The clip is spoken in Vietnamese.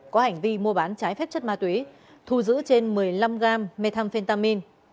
có hành vi mua bán trái phép chất ma túy thu giữ trên một mươi năm gram methamphetamin